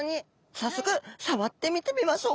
早速触ってみてみましょう。